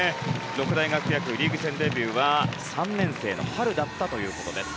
六大学野球リーグ戦デビューは３年生の春だったということです。